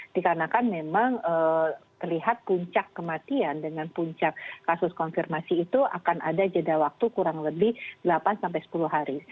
dikarenakan memang terlihat puncak kematian dengan puncak kasus konfirmasi itu akan ada jeda waktu kurang lebih delapan sampai sepuluh hari